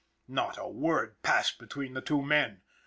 Not a word passed between the two men.